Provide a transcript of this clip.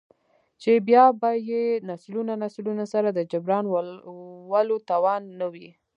،چـې بـيا بـه يې نسلونه نسلونه سـره د جـبران ولـو تـوان نـه وي.